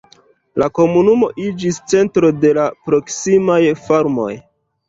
La komunumo iĝis centro de la proksimaj farmoj.